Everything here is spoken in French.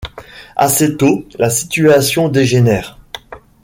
Assez tôt, la situation dégénère.